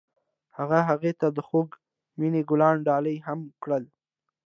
هغه هغې ته د خوږ مینه ګلان ډالۍ هم کړل.